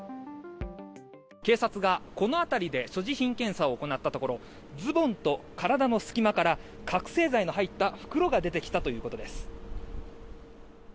警察がこの辺りで所持品検査を行ったところズボンと体の隙間から覚醒剤の入った袋が出てきたということです。